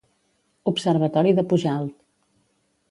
Observatori de Pujalt.